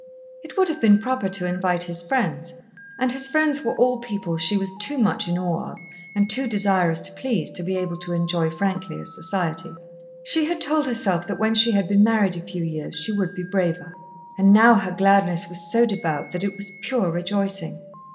It would have been proper to invite his friends, and his friends were all people she was too much in awe of, and too desirous to please to be able to enjoy frankly as society. She had told herself that when she had been married a few years she would be braver. And now her gladness was so devout that it was pure rejoicing.